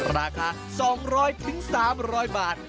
ราคา๒๐๐๓๐๐บาท